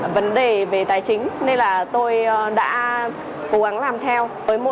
vấn đề về tài chính nên là tôi đã cố gắng làm theo một